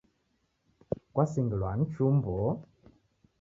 Kwasingilwa ni chumbo